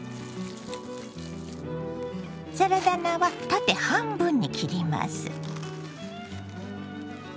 サラダ菜は縦半分に切ります。